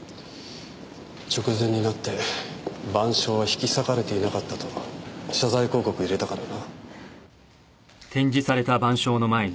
直前になって『晩鐘』は引き裂かれていなかったと謝罪広告を入れたからな。